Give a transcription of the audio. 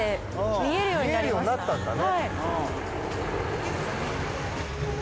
見えるようになったんだね。